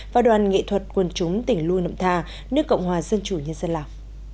và đoàn nghệ thuật quần chúng tỉnh lưu nậm thà nước cộng hòa dân chủ nhân dân lào